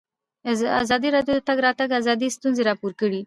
ازادي راډیو د د تګ راتګ ازادي ستونزې راپور کړي.